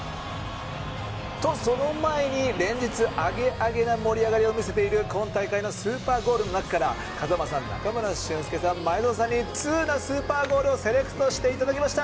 と、その前に連日、アゲアゲな盛り上がりを見せている今大会のスーパーゴールの中から風間さん中村俊輔さん、前園さんに通なスーパーゴールをセレクトしていただきました。